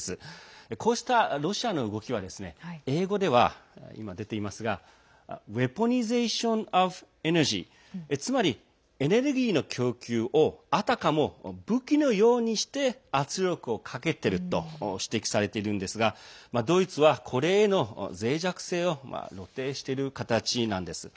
こうしたロシアの動きは、英語でｗｅａｐｏｎｉｓａｔｉｏｎｏｆｅｎｅｒｇｙつまりエネルギーの供給をあたかも武器のようにして圧力をかけていると指摘されているんですがドイツは、これへのぜい弱性を露呈してる形なんです。